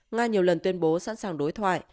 nga nhiều lần tuyên bố sẵn sàng đối thoại